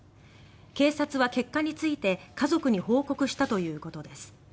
警察は、結果について家族に報告したということです。